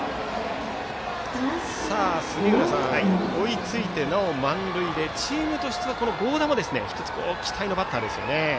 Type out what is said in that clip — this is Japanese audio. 杉浦さん、追いついてなお満塁でチームとしては合田も期待のバッターですね。